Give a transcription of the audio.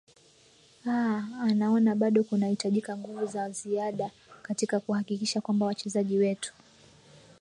aa anaona bado kunahitajika nguvu za ziada katika kuhakikisha kwamba wachezaji wetu